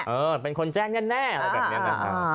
เออเป็นคนแจ้งแน่อะไรแบบนี้นะ